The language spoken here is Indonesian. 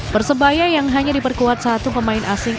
persebaya yang hanya diperkuat satu pemain asing